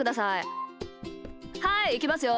はいいきますよ。